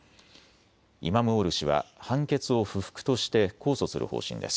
イマムオール氏は判決を不服として控訴する方針です。